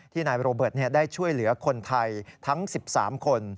นายโรเบิร์ตได้ช่วยเหลือคนไทยทั้ง๑๓คน